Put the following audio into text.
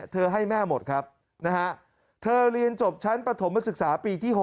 ให้แม่หมดครับนะฮะเธอเรียนจบชั้นประถมศึกษาปีที่๖